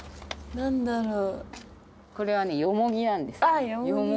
何だろう？